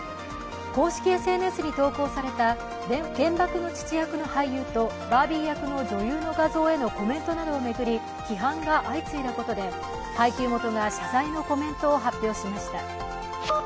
公式ＳＮＳに投稿された原爆の父役の俳優とバービー役の女優の画像へのコメントを巡り批判が相次いだことで、配給元が謝罪のコメントを発表しました。